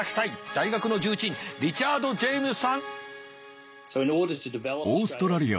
大学の重鎮リチャード・ジェームスさん！